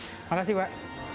terima kasih pak